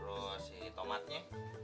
oh si tomatnya